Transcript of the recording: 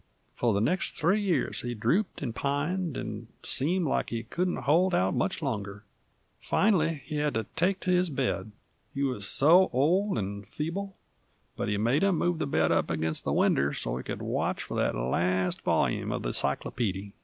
For the next three years he drooped 'nd pined, and seemed like he couldn't hold out much longer. Finally he had to take to his bed, he was so old 'nd feeble, but he made 'em move the bed up ag'inst the winder so he could watch for that last volyume of the cyclopeedy.